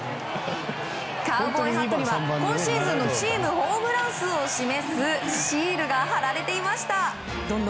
カウボーイハットには今シーズンのチームホームラン数を示すシールが貼られていました。